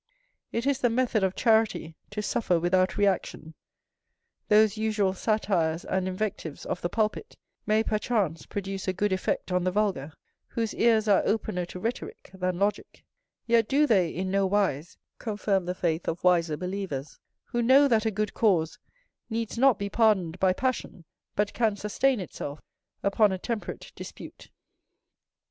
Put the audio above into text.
It is the method of charity to suffer without reaction: those usual satires and invectives of the pulpit may perchance produce a good effect on the vulgar, whose ears are opener to rhetoric than logic; yet do they, in no wise, confirm the faith of wiser believers, who know that a good cause needs not be pardoned by passion, but can sustain itself upon a temperate dispute.